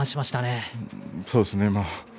そうですね。